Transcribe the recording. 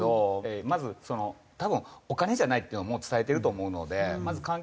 まず多分お金じゃないっていうのはもう伝えてると思うのでまず環境で。